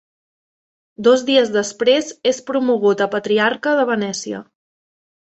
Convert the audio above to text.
Dos dies després és promogut a patriarca de Venècia.